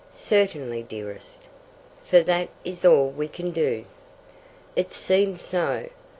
"Certainly, dearest." "For that is all we can do." It seemed so.